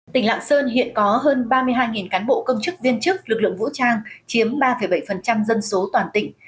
tỉnh lạng sơn hiện có hơn ba mươi hai cán bộ công chức viên chức lực lượng vũ trang chiếm ba bảy dân số toàn tỉnh